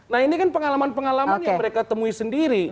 nah ini kan pengalaman pengalaman yang mereka temui sendiri